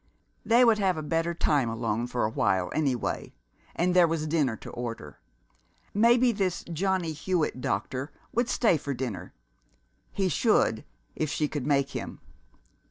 They would have a better time alone, for awhile, any way, and there was dinner to order. Maybe this Johnny Hewitt doctor would stay for dinner. He should if she could make him!